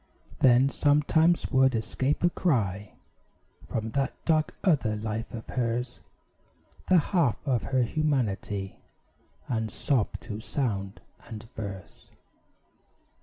Then sometimes would escape a cry From that dark other life of hers The half of her humanity And sob through sound and verse.